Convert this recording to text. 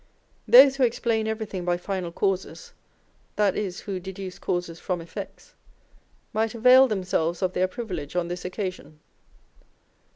1 Those who explain everything by final causes (that is, who deduce causes from effects) might avail themselves of their privilege on this occasion.